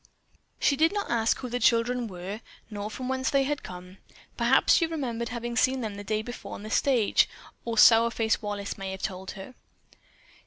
She did not ask who the children were, nor from whence they had come. Perhaps she remembered having seen them the day before on the stage; or Sourface Wallace may have told her.